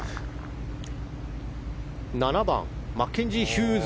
７番、マッケンジー・ヒューズ。